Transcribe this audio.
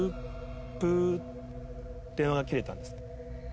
電話が切れたんですね。